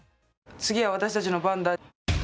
次は私たちの番だ。